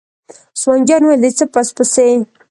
عثمان جان وویل: د څه پس پسي.